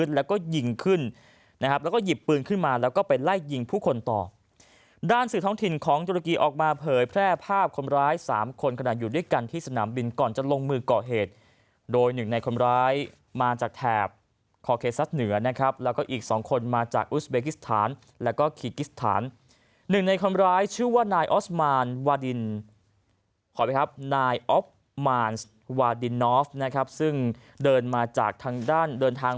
แล้วก็ไปไล่ยิงผู้คนต่อด้านสื่อท้องถิ่นของโจรกีออกมาเผยแพร่ภาพคนร้ายสามคนขณะอยู่ด้วยกันที่สนามบินก่อนจะลงมือกล่อเหตุโดยหนึ่งในคนร้ายมาจากแทบคอเคซัสเหนือนะครับแล้วก็อีก๒คนมาจากอุสเบกิสทานแล้วก็ขีกิสทาน